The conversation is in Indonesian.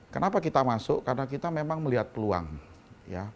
kenapa kita masuk karena kita memang melihat peluang ya